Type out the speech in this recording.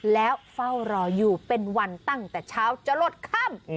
แล้วเฝ้ารออยู่เป็นวันตั้งแต่เช้าจะหลดค่ำ